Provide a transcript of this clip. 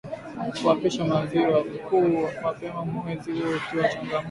kumwapisha Waziri Mkuu mapema mwezi huu ikiwa ni changamoto